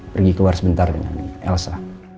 pergi keluar sebentar dengan elsa